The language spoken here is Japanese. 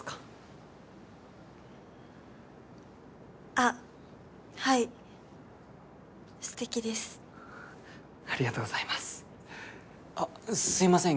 あっはいすてきですありがとうございますすいません